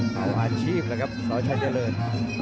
เอาอาชีพแล้วครับสชัยเจริญ